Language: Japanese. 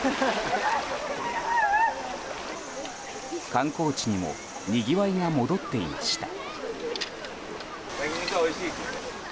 観光地にもにぎわいが戻っていました。